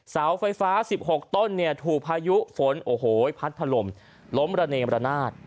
เสาไฟฟ้า๑๖ต้นเนี่ยถูกพายุฝนโอ้โหพัดถล่มล้มระเนมระนาด